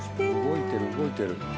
動いてる動いてる。